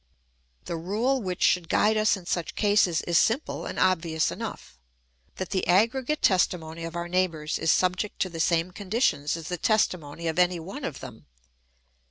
The rule which should guide us in such cases is simple and obvious enough : that the aggregate testi mony of our neighbours is subject to the same conditions as the testimony of any one of them.